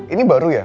ini baru ya